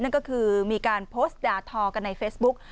นั่นก็คือมีการโพสต์ด่าทอกันในเฟซบุ๊ก